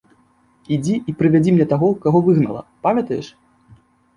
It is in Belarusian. Ідзі і прывядзі мне таго, каго выгнала, памятаеш?